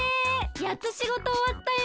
やっとしごとおわったよ。